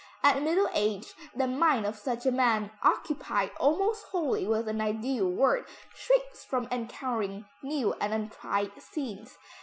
At middle age, the mind of such a man, occupied almost wholly with an ideal world, shrinks from encountering new and untried scenes.